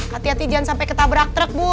hati hati jangan sampai ketabrak truk bu